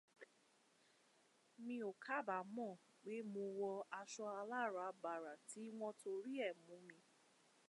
Mí o kàbàámọ̀ pé mo wọ́ aṣọ aláràbarà tí wọ́n torí rẹ̀ mú mí